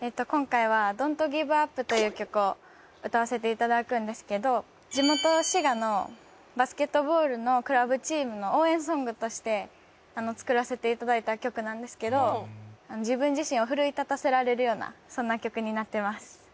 今回は『Ｄｏｎ’ｔｇｉｖｅｕｐ！！』という曲を歌わせていただくんですけど地元滋賀のバスケットボールのクラブチームの応援ソングとして作らせていただいた曲なんですけど自分自身を奮い立たせられるようなそんな曲になってます。